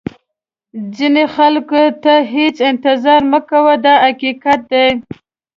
ځینو خلکو ته هېڅ انتظار مه کوئ دا حقیقت دی.